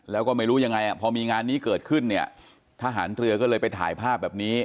แล้วก็ไม่รู้ยังไงพอมีงานนี้เกิดขึ้นเนี่ยทหารเรือก็เลยไปถ่ายภาพแบบนี้